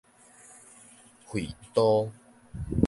緯度